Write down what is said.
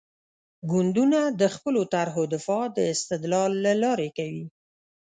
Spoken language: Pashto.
ګوندونه د خپلو طرحو دفاع د استدلال له لارې کوي.